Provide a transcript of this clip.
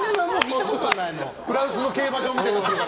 フランスの競馬場みたいなね。